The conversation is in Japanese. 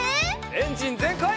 エンジンぜんかい！